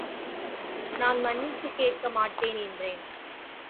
நான் மன்னிப்புக் கேட்க மாட்டேன் என்றேன்.